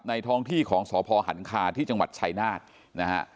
ท้องที่ของสพหันคาที่จังหวัดชายนาฏนะฮะ